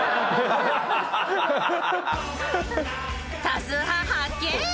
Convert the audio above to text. ［多数派発見。